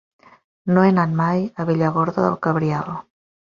No he anat mai a Villargordo del Cabriel.